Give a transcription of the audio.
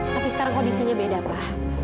tapi sekarang kondisinya beda pak